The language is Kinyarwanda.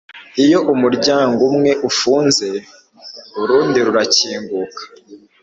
Iyo umuryango umwe ufunze, urundi rurakinguka;